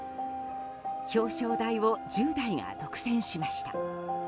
表彰台を１０代が独占しました。